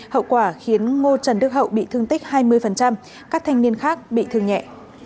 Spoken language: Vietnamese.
hậu quả khiến ngô trần đức hậu bị thương tích hai mươi các thanh niên khác bị thương nhẹ